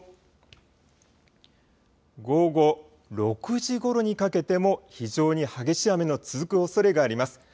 さらにこのあと見ていきますと午後６時ごろにかけても非常に激しい雨の続くおそれがあります。